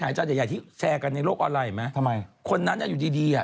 มีคนขายจานใหญ่ที่แชร์กันในโลกออนไลน์ไหมคนนั้นอยู่ดี